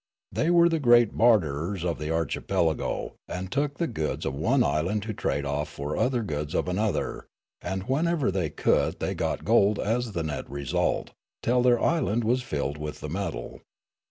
They were the great barterers of the archi pelago, and took the goods of one island to trade off for the goods of another, and wherever they could they got gold as the net result, till their island was filled with the metal.